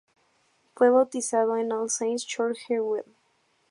Fue bautizado en All Saints' Church, Harewood.